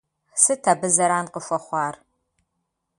Сыт абы зэран къыхуэхъуар?